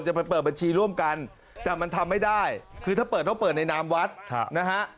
จะไปเปิดบัญชีร่วมกันแต่มันทำไม่ได้คือถ้าเปิดต้องเปิดในนามวัดนะฮะ